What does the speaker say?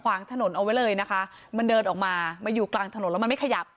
ขวางถนนเอาไว้เลยนะคะมันเดินออกมามาอยู่กลางถนนแล้วมันไม่ขยับ